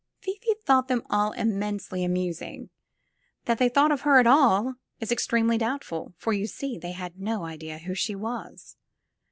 Fifi thought them all immensely amusing ; that they thought of her at all is extremely doubtful. For, you see, they had no idea who she was.